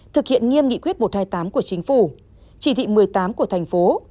thực hiện nghiêm nghị quyết một trăm hai mươi tám của chính phủ chỉ thị một mươi tám của thành phố